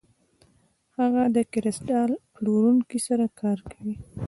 هغه د کریستال پلورونکي سره کار کوي.